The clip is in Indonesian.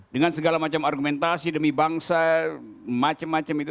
dengan segala macam argumentasi demi bangsa macam macam itu